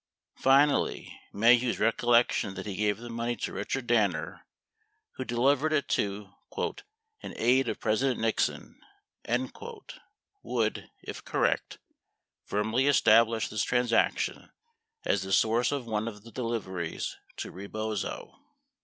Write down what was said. Finally, Maheu's recollection that he gave the money to Richard Danner, who delivered it to "an aide of President Nixon", would, if correct, firmly establish this transaction as the source of one of the deliveries to Rebozo.